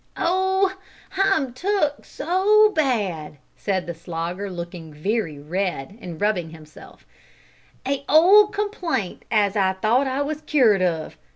"Oh! I'm took so bad," said the Slogger, looking very red, and rubbing himself; "a old complaint as I thought I was cured of.